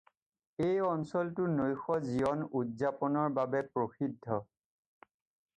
এই অঞ্চলটো নৈশ জীৱন উদযাপনৰ বাবে প্ৰসিদ্ধ।